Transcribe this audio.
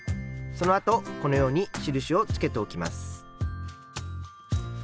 そのあとこのように印をつけておきます。